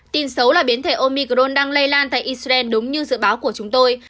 tin xấu là biến thể omicron đang lây lan tại israel đúng như dự báo của chúng tôi